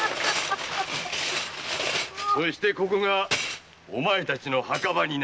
そしてここがお前たちの墓場になる。